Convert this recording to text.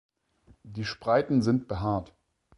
Die Spreiten sind behaart.